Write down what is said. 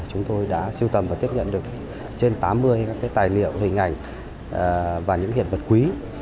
chúng tôi đã siêu tầm và tiếp nhận được trên tám mươi các tài liệu hình ảnh và những hiện vật quý